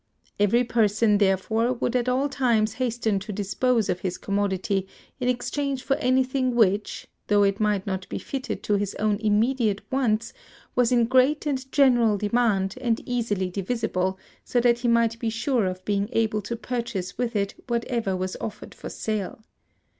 Every person, therefore, would at all times hasten to dispose of his commodity in exchange for anything which, though it might not be fitted to his own immediate wants, was in great and general demand, and easily divisible, so that he might be sure of being able to purchase with it whatever was offered for sale.